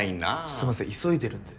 すいません急いでるんで。